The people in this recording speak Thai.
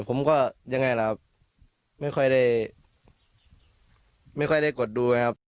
ผมก็ไม่ค่อยได้กดดู